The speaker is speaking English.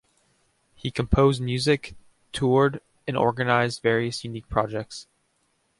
He composed music, toured and organized various unique projects.